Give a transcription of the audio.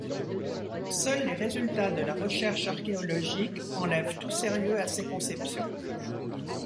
Seuls les résultats de la recherche archéologique enlèvent tout sérieux à ces conceptions.